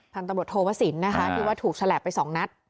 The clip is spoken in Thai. ทางตำเนิดโทษวสินทร์นะฮะคือว่าถูกแฉะไปสองนัด